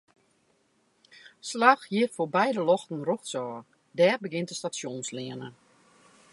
Slach hjir foarby de ljochten rjochtsôf, dêr begjint de Stasjonsleane.